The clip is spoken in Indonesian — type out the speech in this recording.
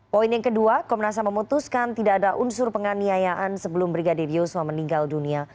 poin yang kedua komnasam memutuskan tidak ada unsur penganiayaan sebelum brigadir yosua meninggal dunia